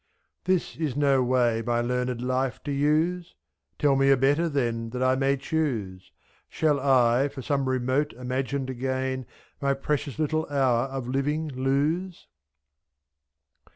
31 This is no way my learned life to use! Tell me a better, then, that I may choose. ^^' Shall I for some remote imagined gain My precious little hour of living lose?